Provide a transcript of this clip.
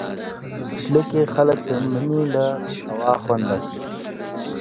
تله کې خلک د مني له هوا خوند اخلي.